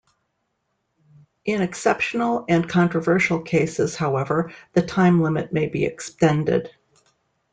In exceptional and controversial cases, however, the time limit may be extended.